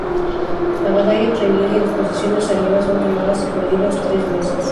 La batalla es reñida y las posiciones aliadas son tomadas y perdidas tres veces.